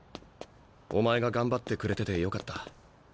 お前が頑張ってくれててよかった。